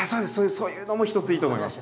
そういうのも一ついいと思います